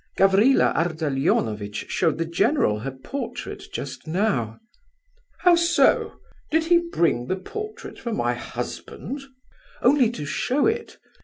"Gavrila Ardalionovitch showed the general her portrait just now." "How so? Did he bring the portrait for my husband?" "Only to show it.